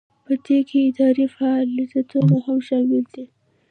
په دې کې اداري فعالیتونه هم شامل دي.